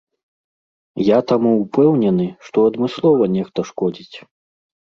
Я таму ўпэўнены, што адмыслова нехта шкодзіць.